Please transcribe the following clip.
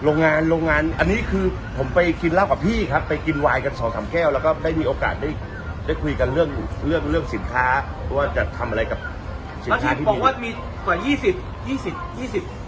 โรงงานโรงงานอันนี้คือผมไปกินแล้วกับพี่ครับไปกินไวน์กันสองสามแก้วแล้วก็ได้มีโอกาสได้คุยกันเรื่องสินค้าว่าจะทำอะไรกับสินค้าที่มี